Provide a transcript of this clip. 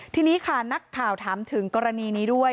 ทีนี้ค่ะนักข่าวถามถึงกรณีนี้ด้วย